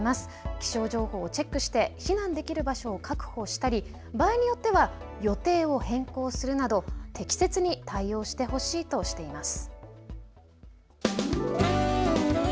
気象情報をチェックして避難できる場所を確保したり場合によっては予定を変更するなど適切に対応してほしいとしています。